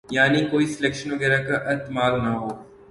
یعنی کوئی سلیکشن وغیرہ کا احتمال نہ ہو۔